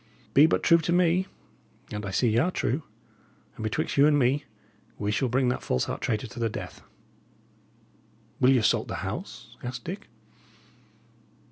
Be but true to me and I see y' are true and betwixt you and me, we shall bring that false heart traitor to the death." "Will ye assault the house?" asked Dick.